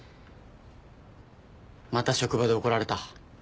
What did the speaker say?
また職場で怒られた？